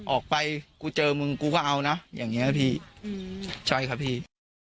ออกไปกูเจอมึงกูก็เอานะอย่างนี้พี่ใช่ครับพี่